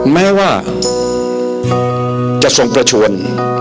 แม้ว่าจะทรงประชวน